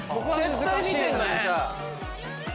絶対見てんのにさ。